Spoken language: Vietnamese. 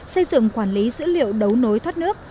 xây dựng quản lý dữ liệu đấu nối thoát nước